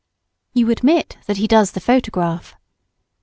You admit that he does the photograph.